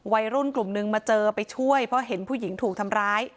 วัยรุ่นกลุ่มนึงมาเจอไปช่วยเพราะเห็นผู้หญิงถูกทำร้าย